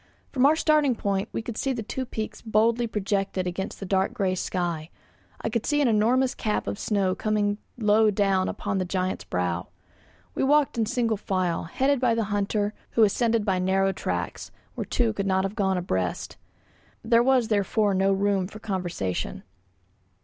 From our starting point we could see the two peaks boldly projected against the dark grey sky; I could see an enormous cap of snow coming low down upon the giant's brow. We walked in single file, headed by the hunter, who ascended by narrow tracks, where two could not have gone abreast. There was therefore no room for conversation.